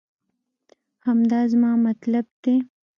همدا زما مطلب دی